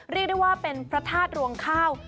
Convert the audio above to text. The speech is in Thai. เรียกได้ว่าเป็นพระธาตุรวงข้าว